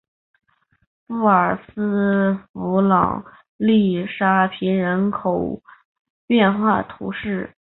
布尔斯弗朗勒沙皮人口变化图示